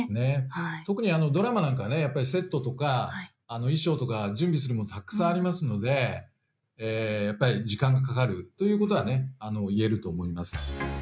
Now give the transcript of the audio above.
特にドラマなんかねセットとか衣装とか準備するものたくさんありますのでやっぱり時間がかかるということは言えると思います。